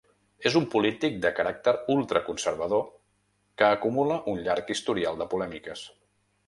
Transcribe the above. És un polític de caràcter ultraconservador, que acumula un llarg historial de polèmiques.